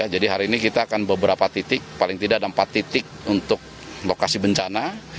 jadi hari ini kita akan beberapa titik paling tidak ada empat titik untuk lokasi bencana